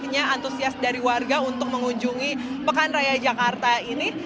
artinya antusias dari warga untuk mengunjungi pekan raya jakarta ini